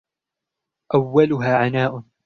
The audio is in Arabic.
أَوَّلُهَا عَنَاءٌ